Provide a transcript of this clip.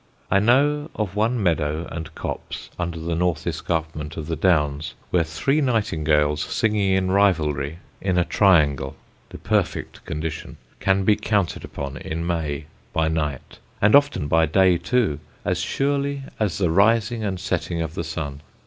I know of one meadow and copse under the north escarpment of the Downs where three nightingales singing in rivalry in a triangle (the perfect condition) can be counted upon in May, by night, and often by day too, as surely as the rising and setting of the sun.